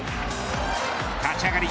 立ち上がり